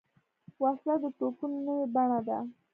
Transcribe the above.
وسله د ټپونو نوې بڼه ده